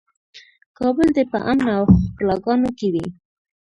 کابل دې په امن او ښکلاګانو کې وي.